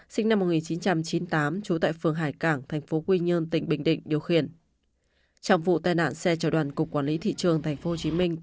sinh năm một nghìn chín trăm chín mươi tám trú tại phường hải cảng tp quy nhơn tỉnh bình định điều khiển